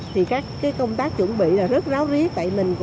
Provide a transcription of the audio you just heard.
thì các công tác chuẩn bị rất ráo riết